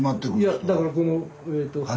いやだからこのえと。